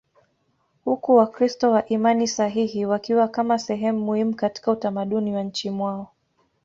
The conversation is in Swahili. huku Wakristo wa imani sahihi wakiwa kama sehemu muhimu katika utamaduni wa nchini mwao.